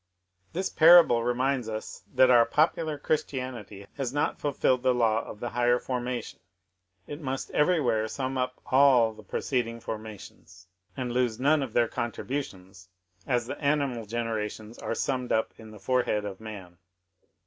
This parable reminds us that our popular Chris tianity has not fulfilled the law of the higher formation. It must everywhere sum up all the preceding formations, and EMERSON IN CINCINNATI 283 lose none of their contributions, as the animal generations are summed up in the forehead of man."